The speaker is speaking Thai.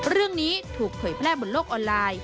เรื่องนี้ถูกเผยแพร่บนโลกออนไลน์